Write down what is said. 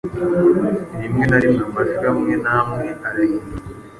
Rimwe na rimwe amajwi amwe n’amwe arahinduka.